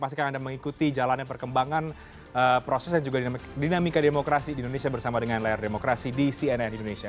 pastikan anda mengikuti jalannya perkembangan proses dan juga dinamika demokrasi di indonesia bersama dengan layar demokrasi di cnn indonesia